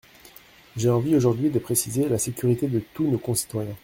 J’ai envie aujourd’hui de préciser : la sécurité de « tous » nos concitoyens.